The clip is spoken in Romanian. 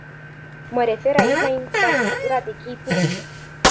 Mă refer aici la infrastructura de chei publice.